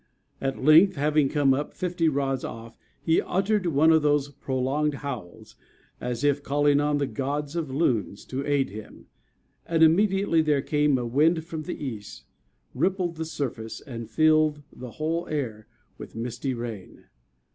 At length, having come up fifty rods off, he uttered one of those prolonged howls, as if calling on the Gods of Loons to aid him, and immediately there came a wind from the east, rippled the surface, and filled the whole air with misty rain.